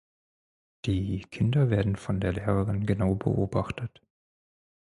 Die Kinder werden von der Lehrerin genau beobachtet.